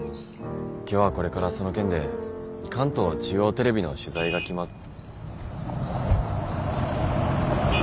今日はこれからその件で関東中央テレビの取材が来ま。